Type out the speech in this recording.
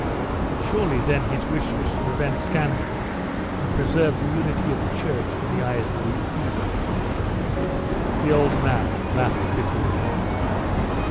'Surely then his wish was to prevent scandal, and preserve the unity of the church in the eyes of the heathen.' The old man laughed bitterly.